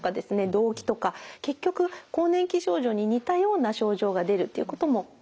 動悸とか結局更年期症状に似たような症状が出るっていうこともあるんですね。